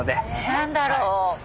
何だろう？